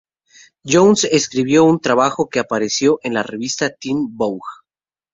Jones escribió en un trabajo que apareció en la revista Teen Vogue.